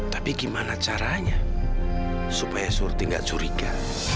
tapi gimana caranya supaya surti gak curiga